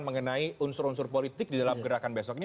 mengenai unsur unsur politik di dalam gerakan besok ini